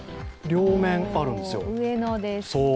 両面あるんですよ。